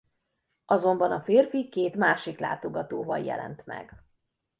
Azonban a férfi két másik látogatóval jelent meg.